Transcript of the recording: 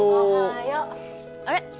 あれ？